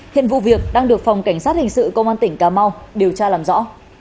hiện vụ việc đang được phòng cảnh sát hình sự công an tỉnh cà mau điều tra làm rõ